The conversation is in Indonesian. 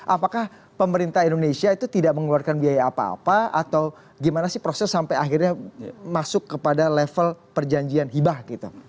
apakah pemerintah indonesia itu tidak mengeluarkan biaya apa apa atau gimana sih proses sampai akhirnya masuk kepada level perjanjian hibah gitu